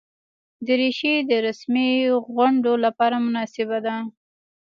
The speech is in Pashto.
دریشي د رسمي غونډو لپاره مناسبه ده.